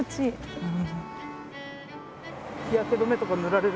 うん。